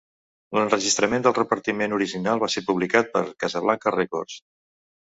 L'enregistrament del repartiment original va ser publicat per Casablanca Records.